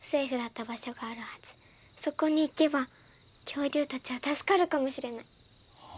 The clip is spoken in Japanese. そこに行けば恐竜たちは助かるかもしれない。